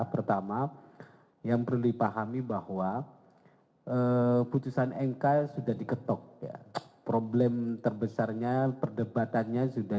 pertama yang perlu dipahami bahwa putusan mk sudah diketok ya problem terbesarnya perdebatannya sudah